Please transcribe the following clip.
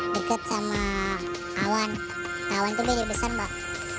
dekat sama awan awan itu lebih besar mbak